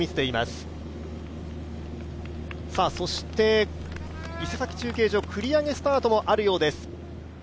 伊勢崎中継所、繰り上げスタートもあるようです。